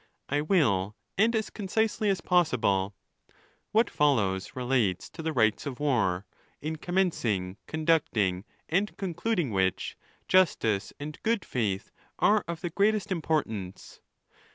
—I will, and as concisely as possible. What follows relates to the rights of war; in commencing, conducting, and concluding which, justice and good faith are of the greatest importance.